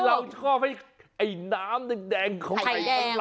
เราชอบให้ไอ้น้ำแดงมันไหลออกมา